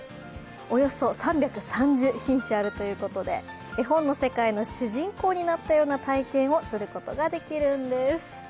およそ３３０品種あるということで絵本の世界の主人公になったような体験をすることができるんです。